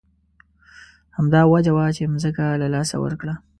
همدا وجه وه چې ځمکه یې له لاسه ورکړه.